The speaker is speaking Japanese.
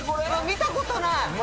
見たことない！